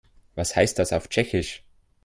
Was heißt das auf Tschechisch?